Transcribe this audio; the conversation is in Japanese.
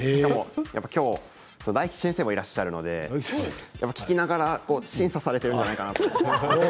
今日は大吉先生もいらっしゃるので弾きながら審査されているんじゃないかと思いました。